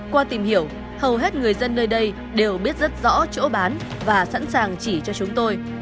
qua tìm hiểu hầu hết người dân nơi đây đều biết rất rõ chỗ bán và sẵn sàng chỉ cho chúng tôi